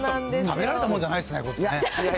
食べられたもんじゃないですね、こっちね。